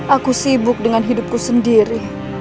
aku sibuk dengan hidupku sendiri